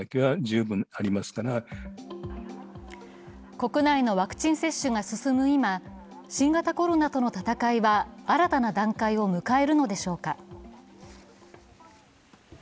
国内のワクチン接種が進む今、新型コロナとの闘いは新たな段階を迎えるのでしょうか。